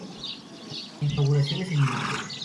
La inauguración es inminente.